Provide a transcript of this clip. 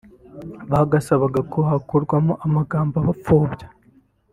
bagasabaga ko hakurwamo amagambo abapfobya